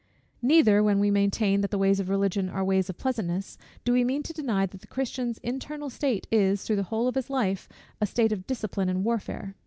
Neither, when we maintain, that the ways of Religion are ways of pleasantness, do we mean to deny that the Christian's internal state is, through the whole of his life, a state of discipline and warfare.